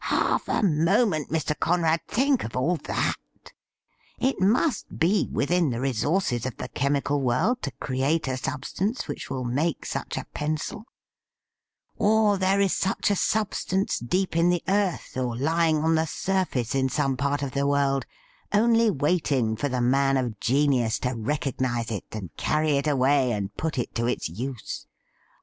Half a moment, Mr. Conrad — think of all that ! It must be within the resources of the chemical world to create a sub stance which will make such a pencil ; or there is such a substance deep in the earth or lying on the surface in some part of the world, only waiting for the man of genius to recognise it and carry it away and put it to its use.